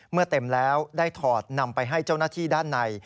เมื่อเต็มแล้วได้ถอดนำไปให้เจ้าหน้าที่ด้านใน